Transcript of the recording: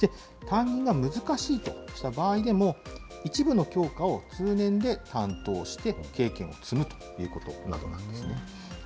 担任が難しいとした場合でも、一部の教科を通年で担当して、経験を積むということなどなんですね。